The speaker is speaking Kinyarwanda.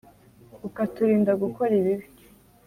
ukaturinda gukora ibibi